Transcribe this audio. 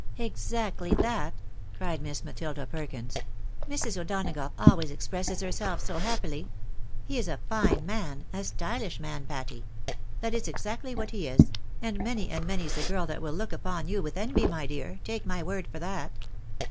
" Exactly that !" cried Miss Matilda Perkins. " ilrs. O'Dona gough always expresses herself so happily. He is a fine man — a stylish man, Patty. That is exactly what he is — and many and many's the girl that will look upon you with envy, my dear, take my word for that."